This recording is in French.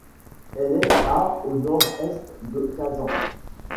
Elle est à au nord-est de Kazan.